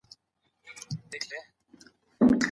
که د خاوند او ميرمني تر منځ شقاق پيښ سي څه بايد وسي؟